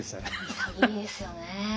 潔いですよね。